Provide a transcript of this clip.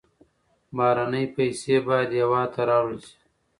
بهرنۍ پیسې باید هېواد ته راوړل شي.